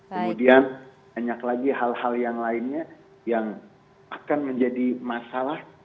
kemudian banyak lagi hal hal yang lainnya yang akan menjadi masalah